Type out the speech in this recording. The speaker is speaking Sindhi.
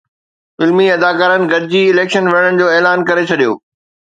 فلمي اداڪارن گڏجي اليڪشن وڙهڻ جو اعلان ڪري ڇڏيو